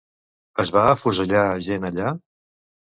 Es va afusellar gent allà?